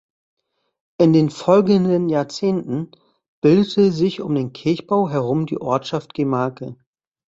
In den folgenden Jahrzehnten bildete sich um den Kirchbau herum die Ortschaft Gemarke.